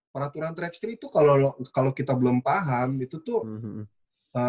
peraturan tiga x tiga itu kalau kita belum paham itu tuh